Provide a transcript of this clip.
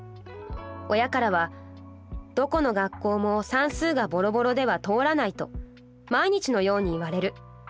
親からは『どこの学校も算数がボロボロでは通らない』と毎日のように言われる。